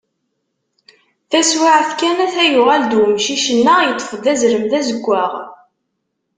Taswiɛt kan ata yuɣal-d umcic-nneɣ, yeṭṭef-d azrem d azeggaɣ.